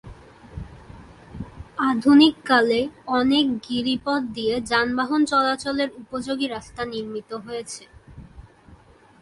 আধুনিককালে অনেক গিরিপথ দিয়ে যানবাহন চলাচলের উপযোগী রাস্তা নির্মিত হয়েছে।